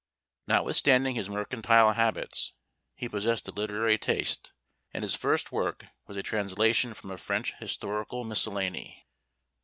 Notwithstanding his mercantile habits, he possessed a literary taste, and his first work was a translation from a French historical miscellany.